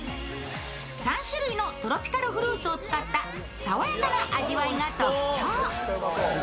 ３種類のトロピカルフルーツを使ったさわやかな味わいが特徴。